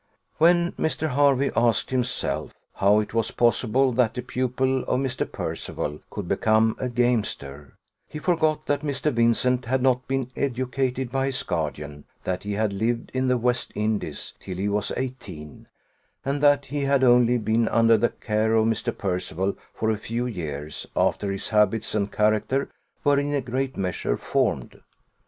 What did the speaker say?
When Mr. Hervey asked himself how it was possible that the pupil of Mr. Percival could become a gamester, he forgot that Mr. Vincent had not been educated by his guardian; that he had lived in the West Indies till he was eighteen; and that he had only been under the care of Mr. Percival for a few years, after his habits and character were in a great measure formed.